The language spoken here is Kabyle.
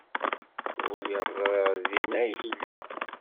Ur lliɣ ẓriɣ din ay yella.